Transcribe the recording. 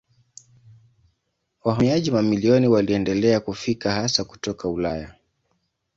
Wahamiaji mamilioni waliendelea kufika hasa kutoka Ulaya.